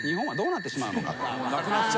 もうなくなっちゃうよ。